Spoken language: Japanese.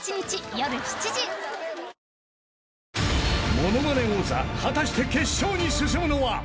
［『ものまね王座』果たして決勝に進むのは！？］